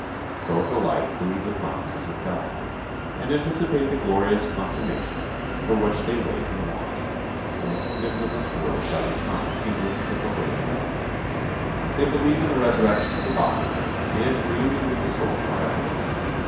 Both alike believe the promises of God, and anticipate the glorious consummation for which they wait and watch, when the kingdoms of this world shall become the kingdoms of the living God. They believe in the resurrection of the body and in its reunion with the soul for ever.